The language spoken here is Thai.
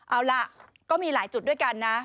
เอาล่ะก็มีหลายจุดด้วยกันนะ